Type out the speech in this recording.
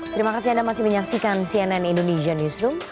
terima kasih anda masih menyaksikan cnn indonesia newsroom